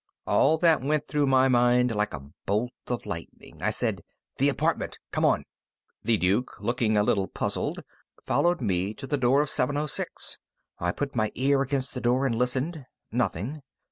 All that went through my mind like a bolt of lightning. I said: "The apartment! Come on!" The Duke, looking a little puzzled, followed me to the door of 706. I put my ear against the door and listened. Nothing.